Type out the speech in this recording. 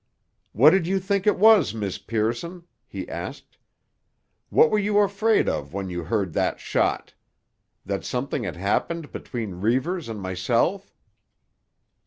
"What did you think it was, Miss Pearson?" he asked. "What were you afraid of when you heard that shot? That something had happened between Reivers and myself?"